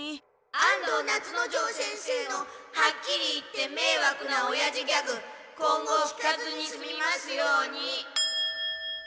安藤夏之丞先生のはっきり言ってめいわくなオヤジギャグ今後聞かずにすみますように。